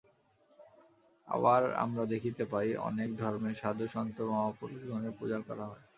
আবার আমরা দেখিতে পাই, অনেক ধর্মে সাধু-সন্ত মহাপুরুষগণের পূজা করা হয়।